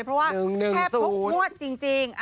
เพราะว่าแค่เพราะหวัดจริง